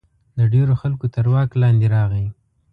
د ډېرو خلکو تر واک لاندې راغی.